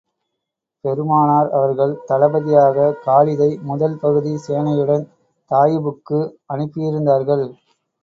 பெருமானார் அவர்கள், தளபதியாக காலிதை முதல் பகுதி சேனையுடன் தாயிபுக்கு அனுப்பியிருந்தார்கள்.